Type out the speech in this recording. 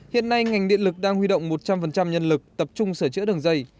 hiện nay ngành điện lực đang huy động một trăm linh nhân lực tập trung sửa chữa đường dây